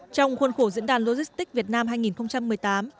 trong khuôn khổ diễn đàn logistics việt nam